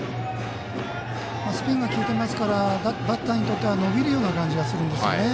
スピンが利いてますからバッターにとっては伸びるような感じがするんですかね